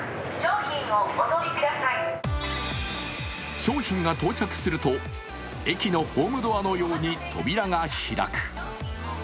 商品が到着すると、駅のホームドアのように扉が開く。